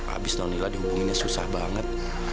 abis non lila dihubunginnya susah banget